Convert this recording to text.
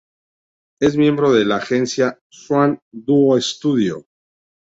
Es miembro de la agencia "Shawn Dou Studio".